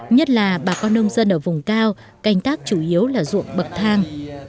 nhất là bà con nông dân ở vùng cao canh tác chủ yếu là ruộng bậc thang